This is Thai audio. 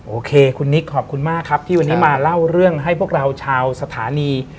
โอเคคุณนิกขอบคุณมากครับที่วันนี้มาเล่าเรื่องให้พวกเราชาวสถานี